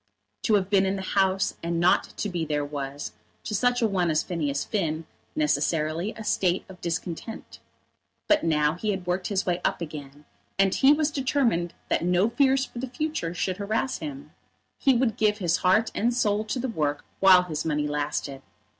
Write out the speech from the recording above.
To have been in the House and not to be there was, to such a one as Phineas Finn, necessarily a state of discontent. But now he had worked his way up again, and he was determined that no fears for the future should harass him. He would give his heart and soul to the work while his money lasted.